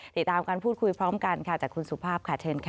ติดตามการพูดคุยพร้อมกันค่ะจากคุณสุภาพค่ะเชิญค่ะ